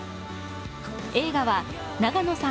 映画は永野さん